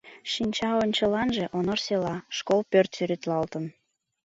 Шинча ончыланже Онор села, школ пӧрт сӱретлалтын.